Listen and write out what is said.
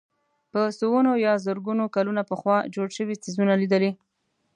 په سوونو یا زرګونو کلونه پخوا جوړ شوي څېزونه لیدلي.